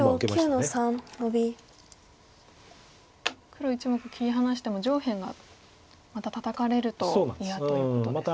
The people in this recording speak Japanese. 黒１目切り離しても上辺がまたタタかれると嫌ということですか。